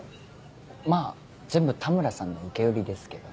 まぁ全部田村さんの受け売りですけどね。